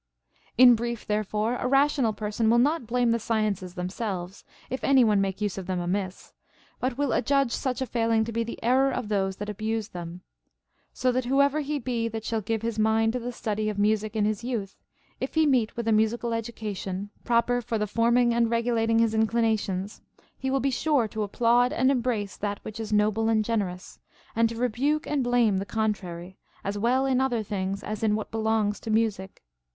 41. In brief therefore, a rational person will not blame the sciences themselves, if any one make use of them amiss, but will adjudge such a failing to be the error of those that abuse them. So that whoever he be that shall give his mind to the study of music in his youth, if he meet with a musical education, proper for the forming and regulating his inclinations, he will be sure to applaud and embrace that which is noble and generous, and to rebuke and blame the contrary, as well in other things as in what belongs to * II. IX. 186. CONCERNING MUSIC. 133 music.